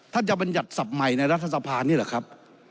ท่านจะบรรยัติศัพท์ใหม่ในรัฐศัพท์นี่หรือครับ